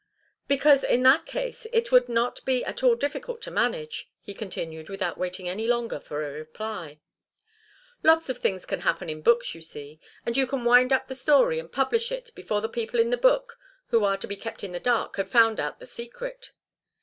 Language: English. "Because, in that case, it would not be at all difficult to manage," he continued, without waiting any longer for a reply. "Lots of things can happen in books, you see, and you can wind up the story and publish it before the people in the book who are to be kept in the dark have found out the secret.